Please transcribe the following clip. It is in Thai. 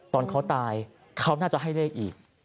ตอนเขาตายเขาน่าจะให้เลขอีก